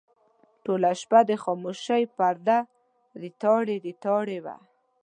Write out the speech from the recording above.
ټوله شپه د خاموشۍ پرده ریتاړې ریتاړې وه.